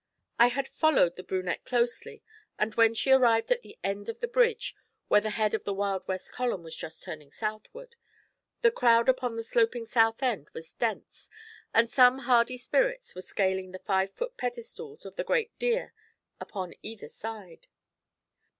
I had followed the brunette closely, and when she arrived at the end of the bridge, where the head of the 'Wild West' column was just turning southward, the crowd upon the sloping south end was dense, and some hardy spirits were scaling the five foot pedestals of the great deer upon either side.